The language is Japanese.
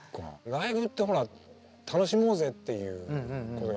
ライブってほら楽しもうぜっていうあるじゃん。